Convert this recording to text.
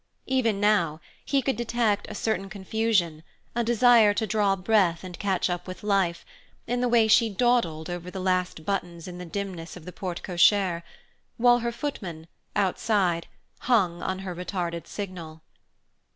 Even now, he could detect a certain confusion, a desire to draw breath and catch up with life, in the way she dawdled over the last buttons in the dimness of the porte cochere, while her footman, outside, hung on her retarded signal.